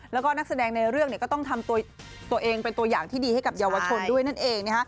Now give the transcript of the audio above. แล้วก็นักแสดงในเรื่องก็ต้องทำตัวเองเป็นตัวอย่างที่ดีให้กับเยาวชนด้วยนั่นเอง